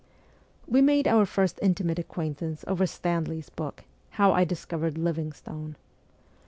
We made our first intimate acquaintance over Stanley's book, 'Howl Discovered Livingstone.'